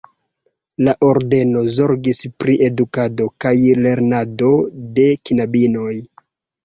La ordeno zorgis pri edukado kaj lernado de knabinoj.